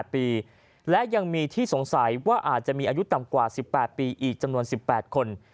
ปีและยังมีที่สงสัยว่าอาจจะมีอายุต่ำกว่าสิบแปดปีอีกจำนวนสิบแปดคน